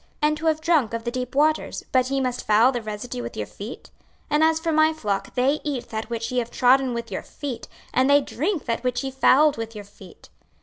and to have drunk of the deep waters, but ye must foul the residue with your feet? 26:034:019 And as for my flock, they eat that which ye have trodden with your feet; and they drink that which ye have fouled with your feet.